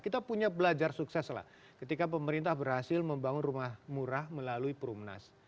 kita punya belajar sukses lah ketika pemerintah berhasil membangun rumah murah melalui perumnas